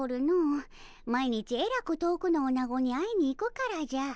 毎日えらく遠くのおなごに会いに行くからじゃ。